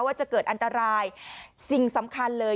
ว่าจะเกิดอันตรายสิ่งสำคัญเลย